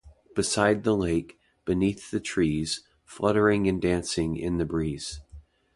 Beside the lake, beneath the trees, fluttering and dancing in the breeze.